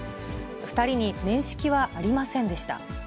２人に面識はありませんでした。